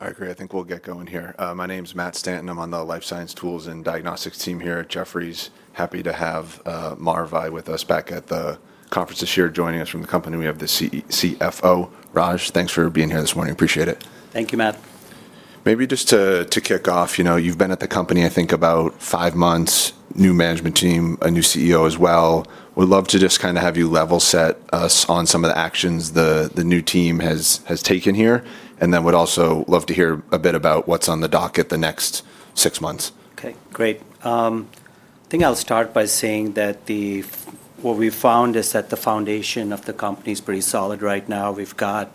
All right, great. I think we'll get going here. My name's Matt Stanton. I'm on the LifeScience Tools and Diagnostics team here at Jefferies. Happy to have Maravai with us back at the conference this year, joining us from the company we have the CFO. Raj, thanks for being here this morning. Appreciate it. Thank you, Matt. Maybe just to kick off, you've been at the company, I think, about 5 months, new management team, a new CEO as well. We'd love to just kind of have you level set us on some of the actions the new team has taken here, and then we'd also love to hear a bit about what's on the docket the next 6 months. Okay, great. I think I'll start by saying that what we found is that the foundation of the company is pretty solid right now. We've got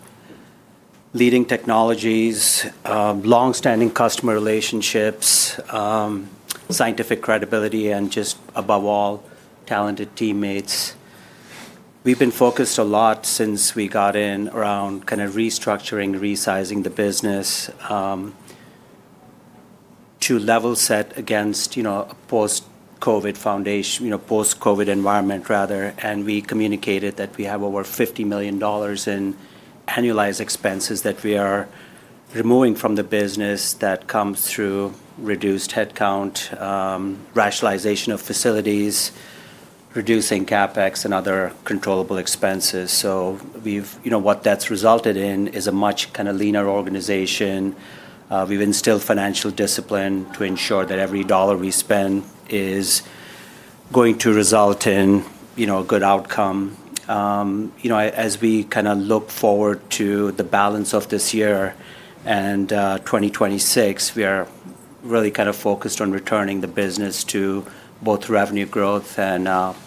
leading technologies, long-standing customer relationships, scientific credibility, and just above all, talented teammates. We've been focused a lot since we got in around kind of restructuring, resizing the business to level set against a post-COVID environment, rather. We communicated that we have over $50 million in annualized expenses that we are removing from the business that comes through reduced headcount, rationalization of facilities, reducing CapEx, and other controllable expenses. What that's resulted in is a much kind of leaner organization. We've instilled financial discipline to ensure that every dollar we spend is going to result in a good outcome. As we kind of look forward to the balance of this year and 2026, we are really kind of focused on returning the business to both revenue growth and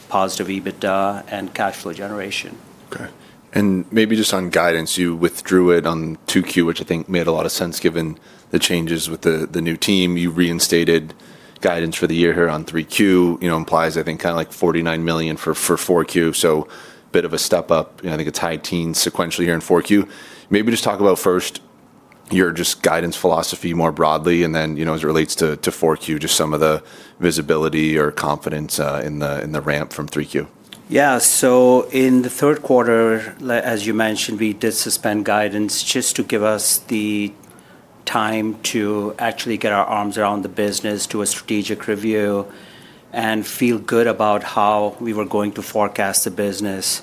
positive EBITDA and cash flow generation. Okay. Maybe just on guidance, you withdrew it on 2Q, which I think made a lot of sense given the changes with the new team. You reinstated guidance for the year here on 3Q, implies, I think, kind of like $49 million for 4Q. A bit of a step up. I think it's high teens sequentially here in 4Q. Maybe just talk about first your guidance philosophy more broadly, and then as it relates to 4Q, just some of the visibility or confidence in the ramp from 3Q. Yeah. In the third quarter, as you mentioned, we did suspend guidance just to give us the time to actually get our arms around the business, do a strategic review, and feel good about how we were going to forecast the business.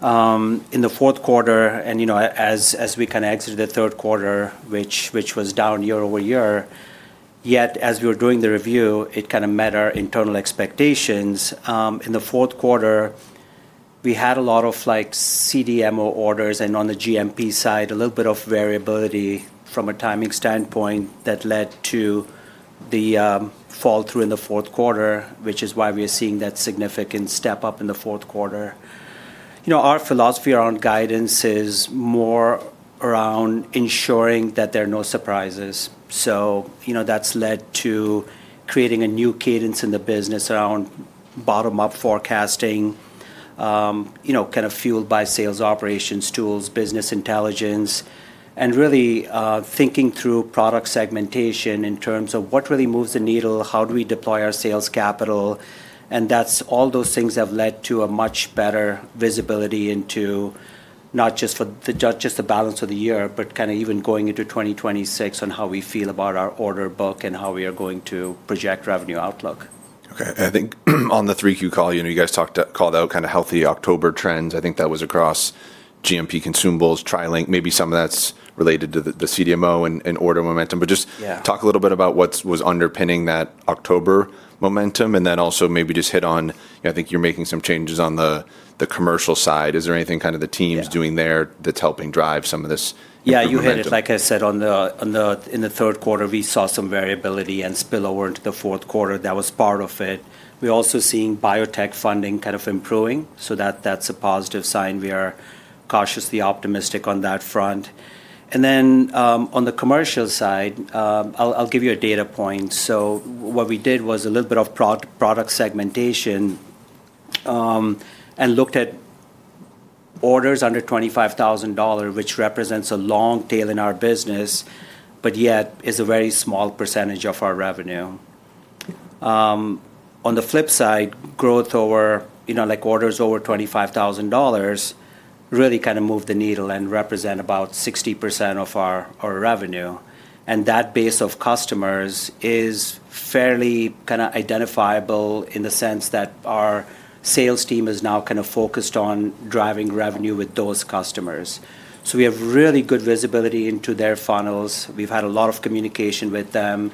In the fourth quarter, and as we kind of exited the third quarter, which was down year over year, yet as we were doing the review, it kind of met our internal expectations. In the fourth quarter, we had a lot of CDMO orders and on the GMP side, a little bit of variability from a timing standpoint that led to the fall through in the fourth quarter, which is why we are seeing that significant step up in the fourth quarter. Our philosophy around guidance is more around ensuring that there are no surprises. That's led to creating a new cadence in the business around bottom-up forecasting, kind of fueled by sales operations tools, business intelligence, and really thinking through product segmentation in terms of what really moves the needle, how do we deploy our sales capital. All those things have led to much better visibility into not just the balance of the year, but kind of even going into 2026 on how we feel about our order book and how we are going to project revenue outlook. Okay. I think on the 3Q call, you guys called out kind of healthy October trends. I think that was across GMP consumables, TriLink, maybe some of that's related to the CDMO and order momentum. Just talk a little bit about what was underpinning that October momentum, and then also maybe just hit on, I think you're making some changes on the commercial side. Is there anything kind of the team's doing there that's helping drive some of this? Yeah, you hit it. Like I said, in the third quarter, we saw some variability and spillover into the fourth quarter. That was part of it. We're also seeing biotech funding kind of improving, so that's a positive sign. We are cautiously optimistic on that front. On the commercial side, I'll give you a data point. What we did was a little bit of product segmentation and looked at orders under $25,000, which represents a long tail in our business, but yet is a very small percentage of our revenue. On the flip side, growth over orders over $25,000 really kind of moved the needle and represents about 60% of our revenue. That base of customers is fairly kind of identifiable in the sense that our sales team is now kind of focused on driving revenue with those customers. We have really good visibility into their funnels. We've had a lot of communication with them.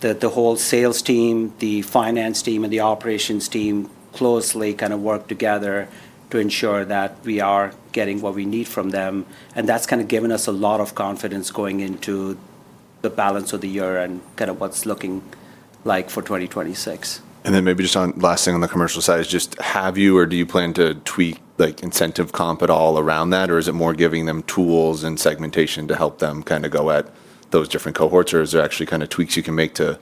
The whole sales team, the finance team, and the operations team closely kind of work together to ensure that we are getting what we need from them. That's kind of given us a lot of confidence going into the balance of the year and kind of what's looking like for 2026. Maybe just on last thing on the commercial side, just have you or do you plan to tweak incentive comp at all around that, or is it more giving them tools and segmentation to help them kind of go at those different cohorts, or is there actually kind of tweaks you can make to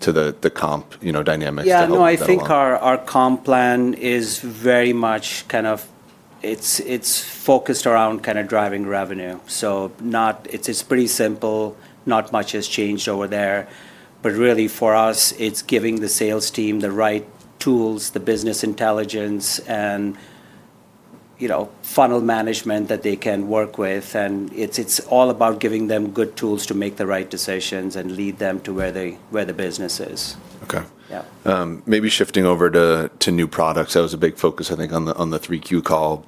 the comp dynamics that will? Yeah, no, I think our comp plan is very much kind of it's focused around kind of driving revenue. It is pretty simple. Not much has changed over there. Really, for us, it's giving the sales team the right tools, the business intelligence, and funnel management that they can work with. It is all about giving them good tools to make the right decisions and lead them to where the business is. Okay. Maybe shifting over to new products. That was a big focus, I think, on the 3Q call.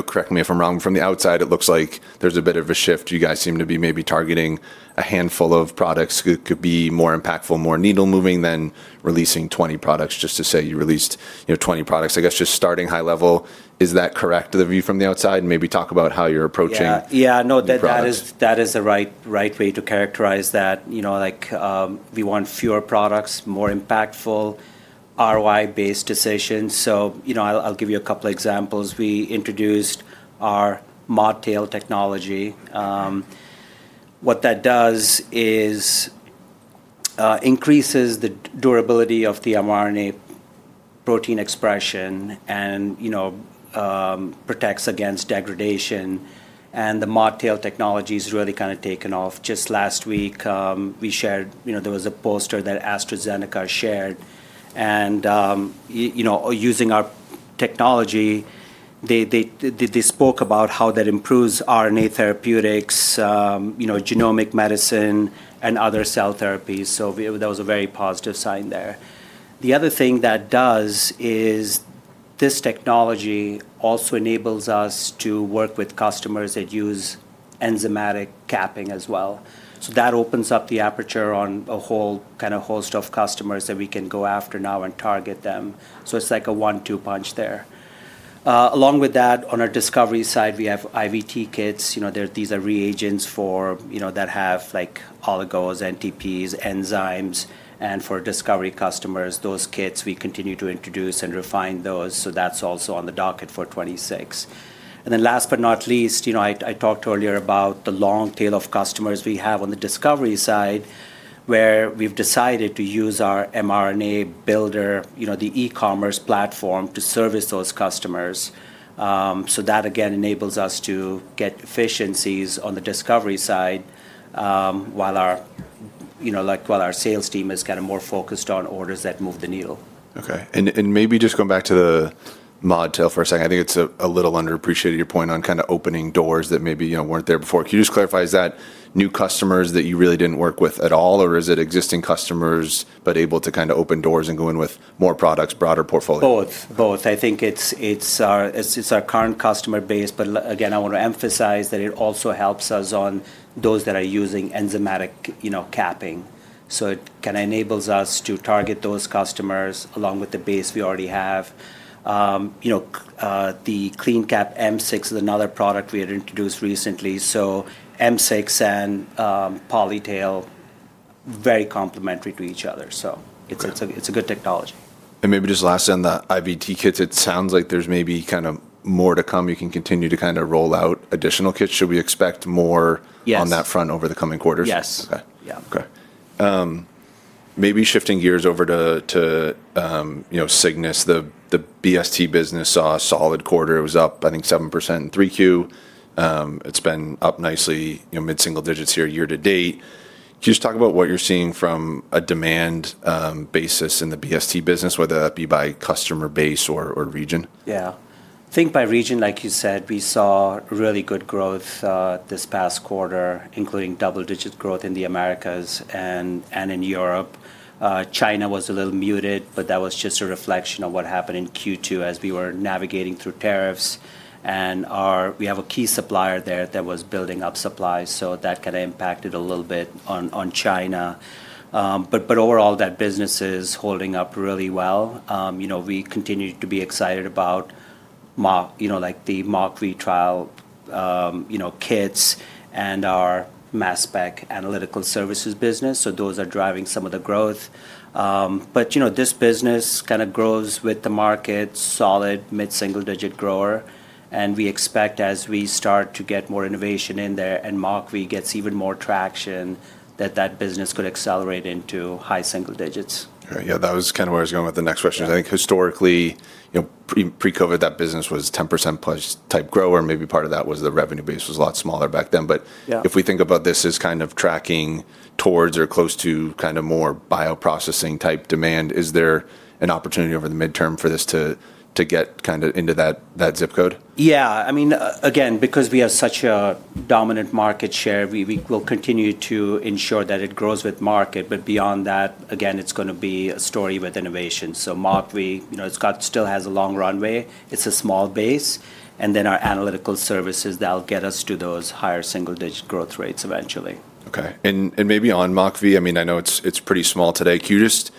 Correct me if I'm wrong. From the outside, it looks like there's a bit of a shift. You guys seem to be maybe targeting a handful of products that could be more impactful, more needle-moving than releasing 20 products, just to say you released 20 products. I guess just starting high level, is that correct of the view from the outside? Maybe talk about how you're approaching. Yeah, no, that is the right way to characterize that. We want fewer products, more impactful ROI-based decisions. I'll give you a couple of examples. We introduced our ModTail technology. What that does is increases the durability of the mRNA protein expression and protects against degradation. The ModTail technology has really kind of taken off. Just last week, we shared there was a poster that AstraZeneca shared. Using our technology, they spoke about how that improves RNA therapeutics, genomic medicine, and other cell therapies. That was a very positive sign there. The other thing that does is this technology also enables us to work with customers that use enzymatic capping as well. That opens up the aperture on a whole kind of host of customers that we can go after now and target them. It's like a one-two punch there. Along with that, on our discovery side, we have IVT kits. These are reagents that have oligos, NTPs, enzymes. For discovery customers, those kits, we continue to introduce and refine those. That is also on the docket for 2026. Last but not least, I talked earlier about the long tail of customers we have on the discovery side, where we have decided to use our mRNABuilder, the e-commerce platform, to service those customers. That, again, enables us to get efficiencies on the discovery side while our sales team is kind of more focused on orders that move the needle. Okay. Maybe just going back to the ModTail for a second, I think it's a little underappreciated, your point on kind of opening doors that maybe weren't there before. Can you just clarify, is that new customers that you really didn't work with at all, or is it existing customers but able to kind of open doors and go in with more products, broader portfolio? Both. Both. I think it's our current customer base, but again, I want to emphasize that it also helps us on those that are using enzymatic capping. It kind of enables us to target those customers along with the base we already have. The CleanCap M6 is another product we had introduced recently. M6 and poly tail, very complementary to each other. It is a good technology. Maybe just last on the IVT kits, it sounds like there's maybe kind of more to come. You can continue to kind of roll out additional kits. Should we expect more on that front over the coming quarters? Yes. Okay. Maybe shifting gears over to Cygnus. The BST business saw a solid quarter. It was up, I think, 7% in 3Q. It's been up nicely, mid-single digits here year-to-date. Can you just talk about what you're seeing from a demand basis in the BST business, whether that be by customer base or region? Yeah. I think by region, like you said, we saw really good growth this past quarter, including double-digit growth in the Americas and in Europe. China was a little muted, but that was just a reflection of what happened in Q2 as we were navigating through tariffs. We have a key supplier there that was building up supplies, so that kind of impacted a little bit on China. Overall, that business is holding up really well. We continue to be excited about the MockV kits and our mass spec analytical services business. Those are driving some of the growth. This business kind of grows with the market, solid, mid-single digit grower. We expect as we start to get more innovation in there and MockV gets even more traction, that that business could accelerate into high single digits. Yeah, that was kind of where I was going with the next question. I think historically, pre-COVID, that business was 10%+ type grower. Maybe part of that was the revenue base was a lot smaller back then. If we think about this as kind of tracking towards or close to kind of more bioprocessing type demand, is there an opportunity over the midterm for this to get kind of into that zip code? Yeah. I mean, again, because we have such a dominant market share, we will continue to ensure that it grows with market. Beyond that, again, it's going to be a story with innovation. So MockV, it still has a long runway. It's a small base. And then our analytical services, that'll get us to those higher single digit growth rates eventually. Okay. Maybe on MockV, I mean, I know it's pretty small today. Can you just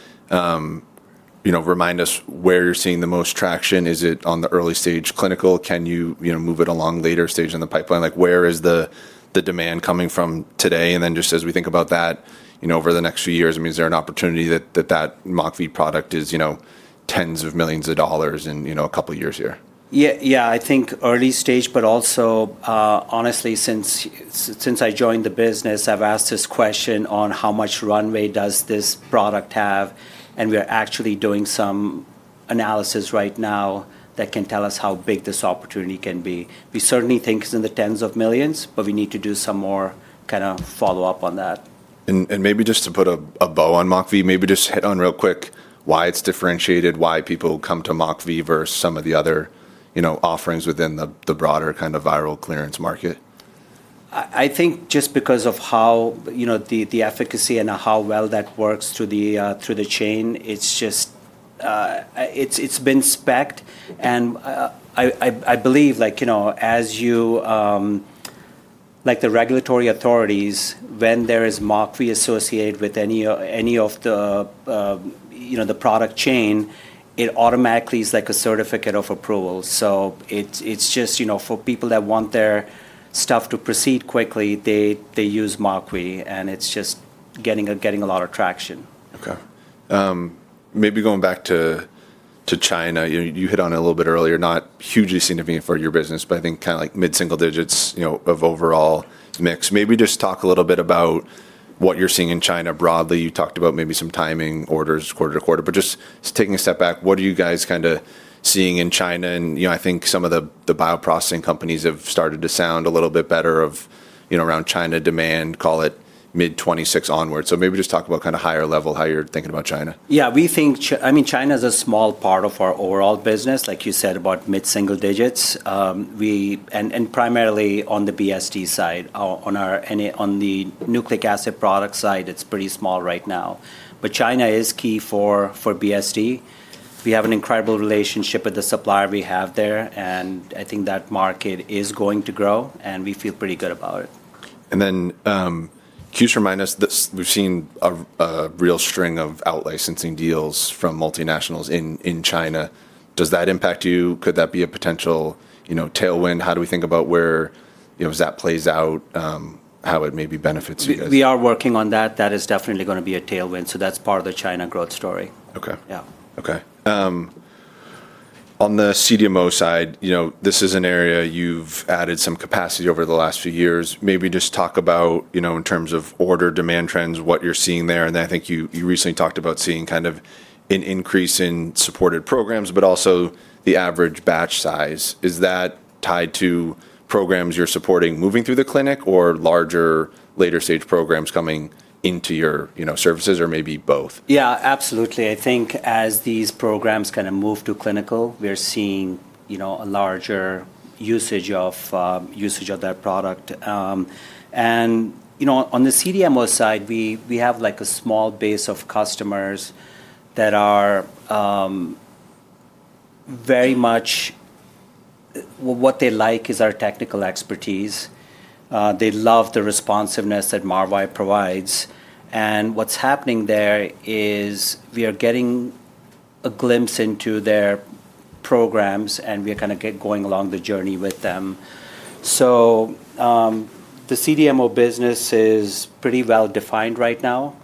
remind us where you're seeing the most traction? Is it on the early stage clinical? Can you move it along later stage in the pipeline? Where is the demand coming from today? Just as we think about that over the next few years, I mean, is there an opportunity that that MockV product is tens of millions of dollars in a couple of years here? Yeah, I think early stage, but also, honestly, since I joined the business, I've asked this question on how much runway does this product have. We are actually doing some analysis right now that can tell us how big this opportunity can be. We certainly think it's in the tens of millions, but we need to do some more kind of follow-up on that. Maybe just to put a bow on MockV, maybe just hit on real quick why it's differentiated, why people come to MockV versus some of the other offerings within the broader kind of viral clearance market. I think just because of how the efficacy and how well that works through the chain, it's been specced. I believe as you, like the regulatory authorities, when there is MockV associated with any of the product chain, it automatically is like a certificate of approval. It is just for people that want their stuff to proceed quickly, they use MockV. It is just getting a lot of traction. Okay. Maybe going back to China, you hit on it a little bit earlier, not hugely significant for your business, but I think kind of like mid-single digits of overall mix. Maybe just talk a little bit about what you're seeing in China broadly. You talked about maybe some timing, orders, quarter to quarter. Just taking a step back, what are you guys kind of seeing in China? I think some of the bioprocessing companies have started to sound a little bit better around China demand, call it mid-2026 onward. Maybe just talk about kind of higher level, how you're thinking about China. Yeah. I mean, China is a small part of our overall business, like you said, about mid-single digits. And primarily on the BST side. On the nucleic acid product side, it's pretty small right now. But China is key for BST. We have an incredible relationship with the supplier we have there. I think that market is going to grow. We feel pretty good about it. Can you just remind us that we've seen a real string of out-licensing deals from multinationals in China? Does that impact you? Could that be a potential tailwind? How do we think about where that plays out, how it maybe benefits you guys? We are working on that. That is definitely going to be a tailwind. That is part of the China growth story. Okay. On the CDMO side, this is an area you've added some capacity over the last few years. Maybe just talk about in terms of order demand trends, what you're seeing there. I think you recently talked about seeing kind of an increase in supported programs, but also the average batch size. Is that tied to programs you're supporting moving through the clinic or larger later stage programs coming into your services or maybe both? Yeah, absolutely. I think as these programs kind of move to clinical, we're seeing a larger usage of that product. On the CDMO side, we have a small base of customers that are very much what they like is our technical expertise. They love the responsiveness that Maravai provides. What's happening there is we are getting a glimpse into their programs, and we are kind of going along the journey with them. The CDMO business is pretty well defined right now.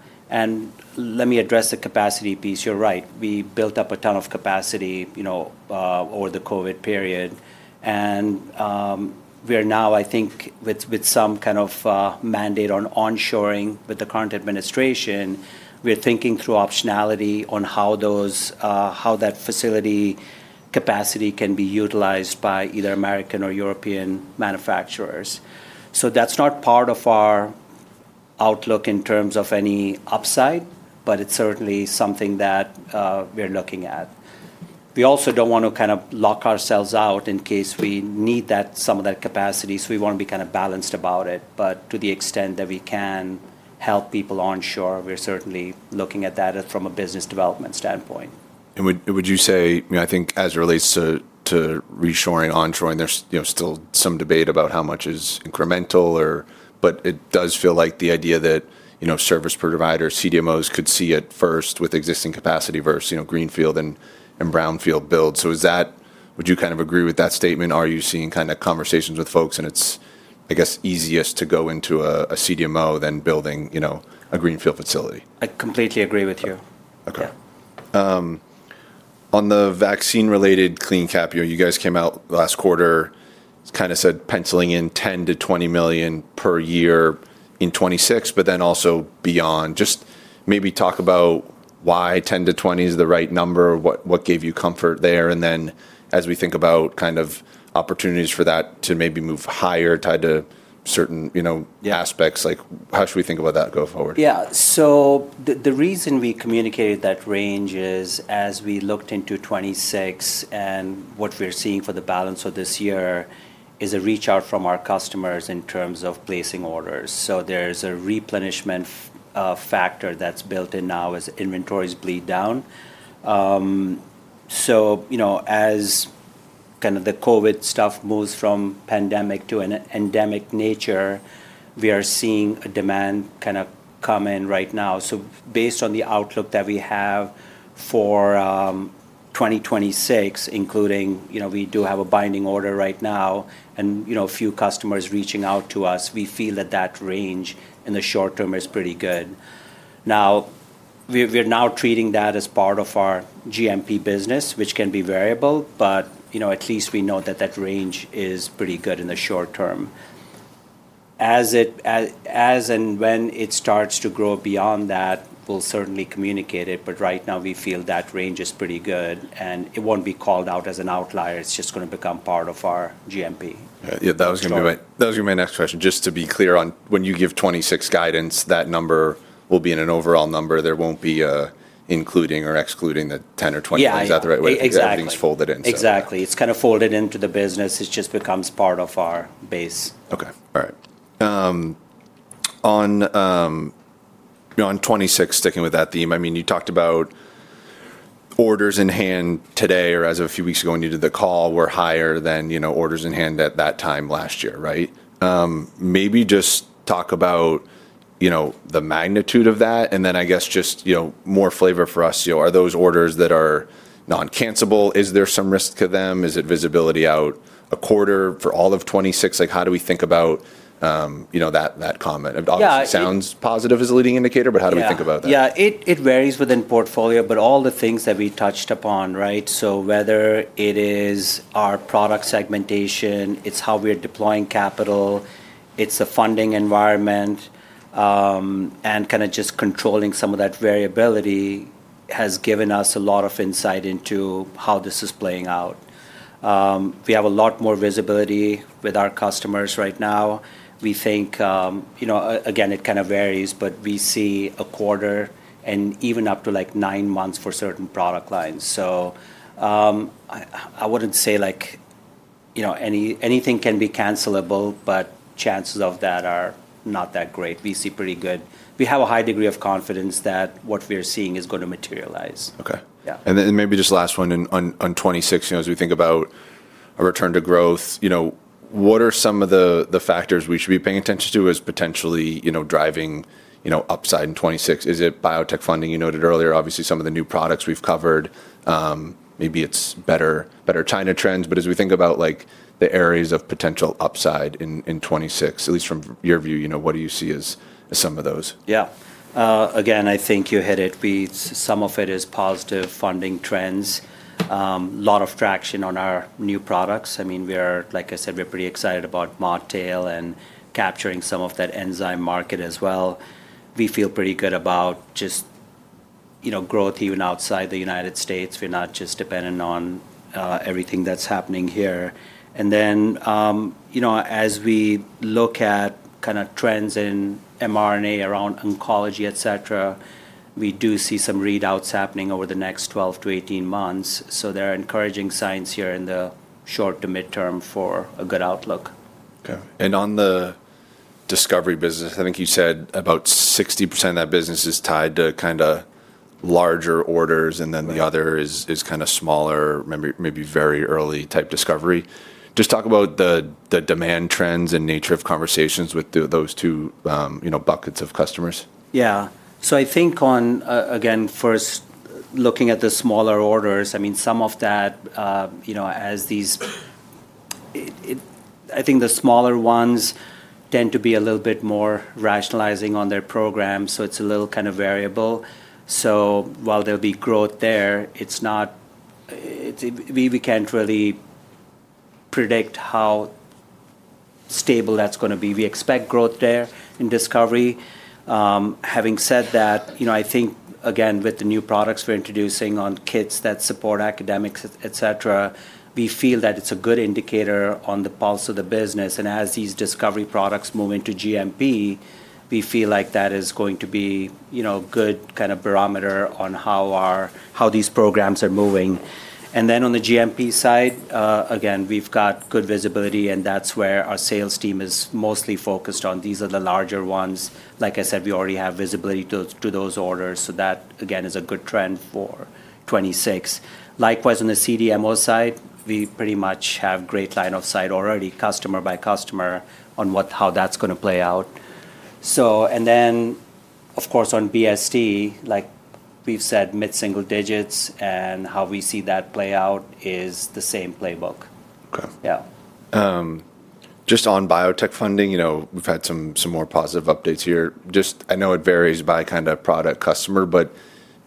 Let me address the capacity piece. You're right. We built up a ton of capacity over the COVID period. We are now, I think, with some kind of mandate on onshoring with the current administration, thinking through optionality on how that facility capacity can be utilized by either American or European manufacturers. That's not part of our outlook in terms of any upside, but it's certainly something that we're looking at. We also don't want to kind of lock ourselves out in case we need some of that capacity. We want to be kind of balanced about it. To the extent that we can help people onshore, we're certainly looking at that from a business development standpoint. Would you say, I think as it relates to reshoring, onshoring, there's still some debate about how much is incremental, but it does feel like the idea that service providers, CDMOs could see it first with existing capacity versus greenfield and brownfield builds. Would you kind of agree with that statement? Are you seeing kind of conversations with folks, and it's, I guess, easiest to go into a CDMO than building a greenfield facility? I completely agree with you. Okay. On the vaccine-related CleanCap, you guys came out last quarter, kind of said penciling in $10 million-$20 million per year in 2026, but then also beyond. Just maybe talk about why $10 million-$20 million is the right number, what gave you comfort there. And then as we think about kind of opportunities for that to maybe move higher tied to certain aspects, how should we think about that going forward? Yeah. The reason we communicated that range is as we looked into 2026 and what we're seeing for the balance of this year is a reach out from our customers in terms of placing orders. There's a replenishment factor that's built in now as inventories bleed down. As kind of the COVID stuff moves from pandemic to an endemic nature, we are seeing a demand kind of come in right now. Based on the outlook that we have for 2026, including we do have a binding order right now and a few customers reaching out to us, we feel that that range in the short term is pretty good. We're now treating that as part of our GMP business, which can be variable, but at least we know that that range is pretty good in the short term. As and when it starts to grow beyond that, we'll certainly communicate it. Right now, we feel that range is pretty good. It won't be called out as an outlier. It's just going to become part of our GMP. Yeah, that was going to be my next question. Just to be clear on when you give 2026 guidance, that number will be an overall number. There will not be including or excluding the 10 or 20. Is that the right way? Everything's folded into it. Exactly. It's kind of folded into the business. It just becomes part of our base. Okay. All right. On 2026, sticking with that theme, I mean, you talked about orders in hand today or as of a few weeks ago when you did the call were higher than orders in hand at that time last year, right? Maybe just talk about the magnitude of that. I guess just more flavor for us. Are those orders that are non-cancelable? Is there some risk to them? Is it visibility out a quarter for all of 2026? How do we think about that comment? Obviously, it sounds positive as a leading indicator, but how do we think about that? Yeah. It varies within portfolio, but all the things that we touched upon, right? Whether it is our product segmentation, how we're deploying capital, the funding environment, and kind of just controlling some of that variability has given us a lot of insight into how this is playing out. We have a lot more visibility with our customers right now. We think, again, it kind of varies, but we see a quarter and even up to 9 months for certain product lines. I wouldn't say anything can be cancelable, but chances of that are not that great. We see pretty good. We have a high degree of confidence that what we're seeing is going to materialize. Okay. Maybe just last one on 2026, as we think about a return to growth, what are some of the factors we should be paying attention to as potentially driving upside in 2026? Is it biotech funding? You noted earlier, obviously, some of the new products we've covered, maybe it's better China trends. As we think about the areas of potential upside in 2026, at least from your view, what do you see as some of those? Yeah. Again, I think you hit it. Some of it is positive funding trends. A lot of traction on our new products. I mean, like I said, we're pretty excited about MockV and capturing some of that enzyme market as well. We feel pretty good about just growth even outside the United States. We're not just dependent on everything that's happening here. As we look at kind of trends in mRNA around oncology, etc., we do see some readouts happening over the next 12-18 months. There are encouraging signs here in the short to midterm for a good outlook. Okay. On the discovery business, I think you said about 60% of that business is tied to kind of larger orders, and then the other is kind of smaller, maybe very early type discovery. Just talk about the demand trends and nature of conversations with those two buckets of customers. Yeah. I think on, again, first, looking at the smaller orders, I mean, some of that, as these, I think the smaller ones tend to be a little bit more rationalizing on their programs. It is a little kind of variable. While there will be growth there, we cannot really predict how stable that is going to be. We expect growth there in discovery. Having said that, I think, again, with the new products we are introducing on kits that support academics, etc., we feel that it is a good indicator on the pulse of the business. As these discovery products move into GMP, we feel like that is going to be a good kind of barometer on how these programs are moving. On the GMP side, again, we have got good visibility, and that is where our sales team is mostly focused. These are the larger ones. Like I said, we already have visibility to those orders. So that, again, is a good trend for 2026. Likewise, on the CDMO side, we pretty much have great line of sight already, customer by customer, on how that's going to play out. And then, of course, on BST, like we've said, mid-single digits, and how we see that play out is the same playbook. Okay. Just on biotech funding, we've had some more positive updates here. I know it varies by kind of product customer, but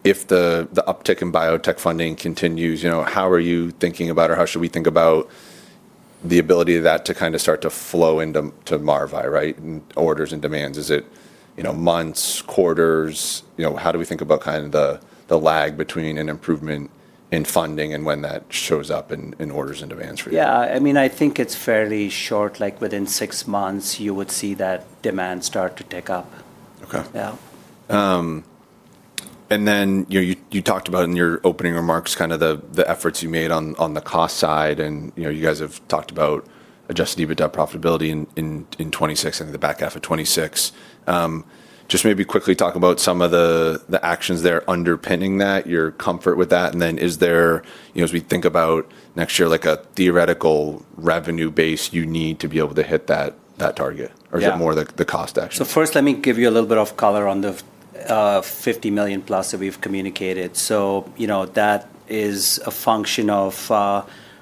if the uptick in biotech funding continues, how are you thinking about, or how should we think about the ability of that to kind of start to flow into Maravai, right, in orders and demands? Is it months, quarters? How do we think about kind of the lag between an improvement in funding and when that shows up in orders and demands for you? Yeah. I mean, I think it's fairly short. Like within 6 months, you would see that demand start to tick up. Okay. You talked about in your opening remarks kind of the efforts you made on the cost side. You guys have talked about adjusted EBITDA profitability in 2026 and the back half of 2026. Just maybe quickly talk about some of the actions that are underpinning that, your comfort with that. Is there, as we think about next year, like a theoretical revenue base you need to be able to hit that target, or is it more the cost action? First, let me give you a little bit of color on the $50 million plus that we've communicated. That is a function of,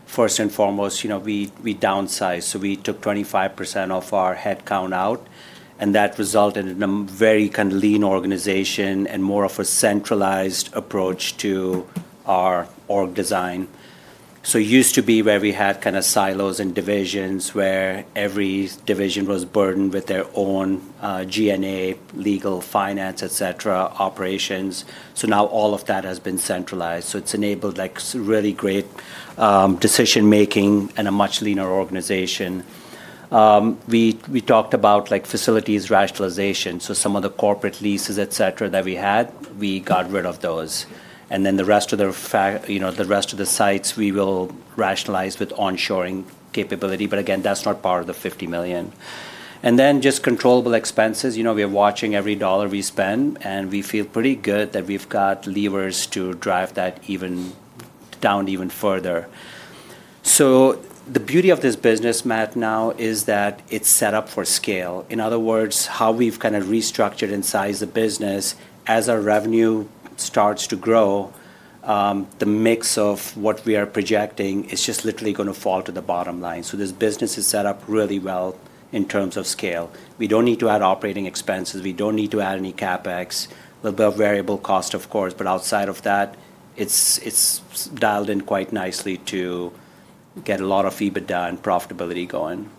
first and foremost, we downsized. We took 25% of our headcount out. That resulted in a very kind of lean organization and more of a centralized approach to our org design. It used to be where we had kind of silos and divisions where every division was burdened with their own G&A, legal, finance, operations. Now all of that has been centralized. It has enabled really great decision-making and a much leaner organization. We talked about facilities rationalization. Some of the corporate leases that we had, we got rid of those. The rest of the sites, we will rationalize with onshoring capability. Again, that's not part of the $50 million. We are watching every dollar we spend, and we feel pretty good that we've got levers to drive that down even further. The beauty of this business, Matt, now is that it's set up for scale. In other words, how we've kind of restructured and sized the business, as our revenue starts to grow, the mix of what we are projecting is just literally going to fall to the bottom line. This business is set up really well in terms of scale. We don't need to add operating expenses. We don't need to add any CapEx. A little bit of variable cost, of course, but outside of that, it's dialed in quite nicely to get a lot of EBITDA and profitability going.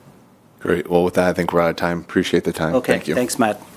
Great. With that, I think we're out of time. Appreciate the time. Thank you. Okay. Thanks, Matt.